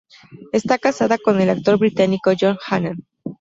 Está casada con el actor británico John Hannah.